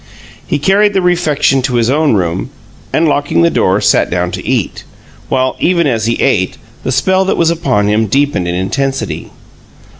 He carried the refection to his own room and, locking the door, sat down to eat, while, even as he ate, the spell that was upon him deepened in intensity.